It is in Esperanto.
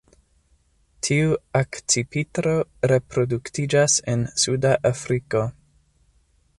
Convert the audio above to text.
Tiu akcipitro reproduktiĝas en suda Afriko.